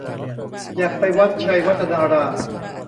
อยากไปวัดไชยวัฒนาราม